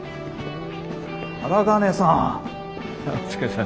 荒金さん。